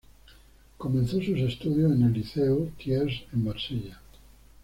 Comenzó sus estudios en el liceo Thiers en Marsella.